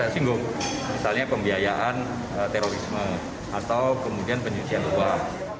misalnya pembiayaan terorisme atau kemudian penyusian uang